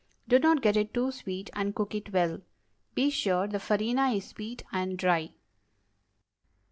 Do not get it too sweet, and cook it well. Be sure the farina is sweet and dry.